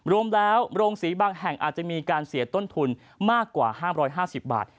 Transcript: รวมแล้วโรงสีบางแห่งอาจจะมีการเสียต้นทุนมากกว่า๕๕๐บาท